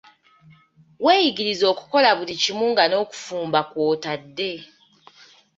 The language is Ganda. Weeyigirize okukola buli kimu nga n'okufumba kw'otadde.